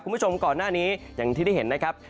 คุณผู้ชมก่อนหน้านี้อย่างที่ได้เห็นนะครับ